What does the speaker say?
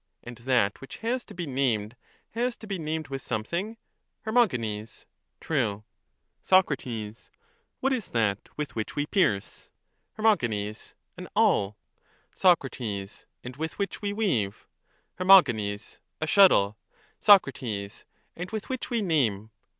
And that which has to be named has to be named with something? Her. True. Soc. What is that with which we pierce? Her. An awl. Soc. And with which we weave? Her. A shuttle. Soc. And with which we name?